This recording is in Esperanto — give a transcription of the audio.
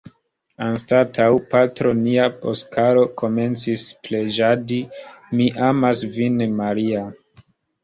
Anstataŭ “Patro nia Oskaro komencis preĝadi Mi amas vin, Maria.